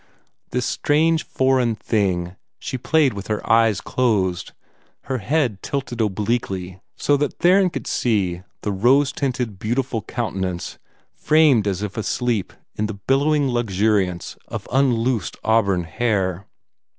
This strange foreign thing she played with her eyes closed, her head tilted obliquely so that Theron could see the rose tinted, beautiful countenance, framed as if asleep in the billowing luxuriance of unloosed auburn hair.